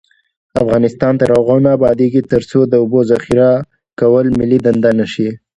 افغانستان تر هغو نه ابادیږي، ترڅو د اوبو ذخیره کول ملي دنده نشي.